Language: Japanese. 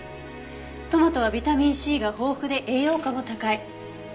トマトはビタミンＣが豊富で栄養価も高い。